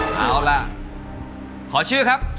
เอาล่ะขอชื่อครับ